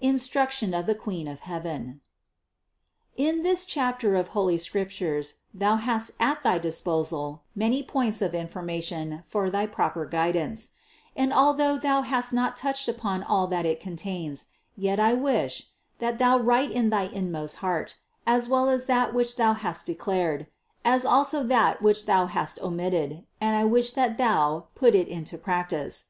INSTRUCTION OF THE QUEEN OF HEAVEN. 802. In this chapter of holy Scriptures thou hast at thy disposal many points of information for thy proper guidance; and although thou hast not touched upon all that it contains, yet I wish, that thou write in thy in most heart, as well that which thou hast declared, as also that which thou hast omitted, and I wish that thou put it into practice.